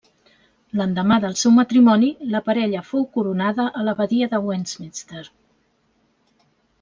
L'endemà del seu matrimoni, la parella fou coronada a l'Abadia de Westminster.